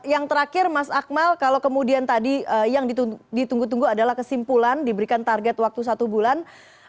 yang terakhir mas akmal kalau kemudian tadi yang ditunggu tunggu adalah kesimpulan diberikan target waktu satu bulan